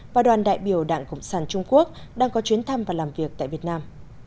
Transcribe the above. và đoàn đại biểu đảng cộng sản trung quốc đang có chuyến thăm và làm việc tại việt nam